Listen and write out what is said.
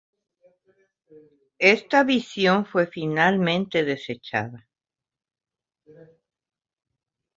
Esta visión fue finalmente desechada.